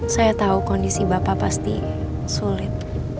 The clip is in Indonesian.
saya tahu kondisi bapak pasti sulit